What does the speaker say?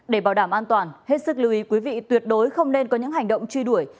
để bảo đảm an toàn hết sức lưu ý quý vị tuyệt đối không nên có những hành động truy đuổi